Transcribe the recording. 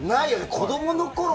子供のころ